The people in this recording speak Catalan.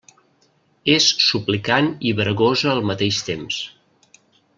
És suplicant i bregosa al mateix temps.